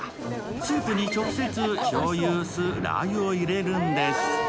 スープに直接、しょうゆ・酢・ラー油を入れるんです。